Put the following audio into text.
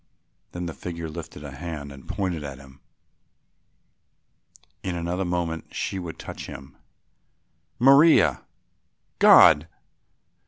Then the figure lifted a hand and pointed at him. In another moment she would touch him. "Maria! God!"